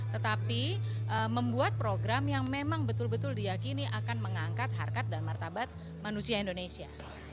tetapi membuat program yang memang betul betul diakini akan mengangkat harkat dan martabat manusia indonesia